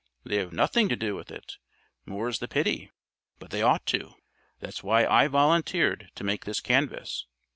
"They have nothing to do with it, more's the pity. But they ought to. That's why I volunteered to make this canvass.